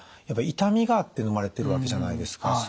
やっぱ痛みがあってのまれてるわけじゃないですか。